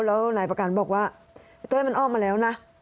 แล้วนายประกันบอกว่าไอ้เต้ยมันออกมาแล้วนะ